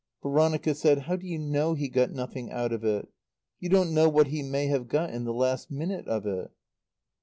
Veronica said, "How do you know he got nothing out of it? You don't know what he may have got in the last minute of it."